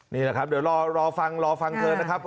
นี่แหละเรารอฟังตัวเท่านั้น